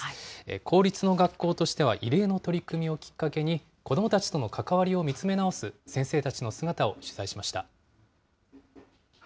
公立の学校としては異例の取り組みをきっかけに子どもたちとの関わりを見つめ直す、先生たちの姿を取材しました。